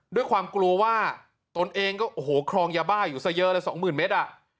ด้วยความกลัวว่าตนเองก็โอ้โหครองยาบ้าอยู่ซะเยอะเลยสองหมื่นเมตร